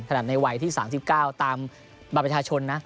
ขนาดในวัยที่๓๙ตามบรรพชาชนนะ